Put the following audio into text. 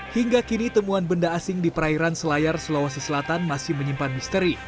hingga kini temuan benda asing di perairan selayar sulawesi selatan masih menyimpan misteri